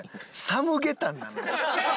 サムゲタンなのよ。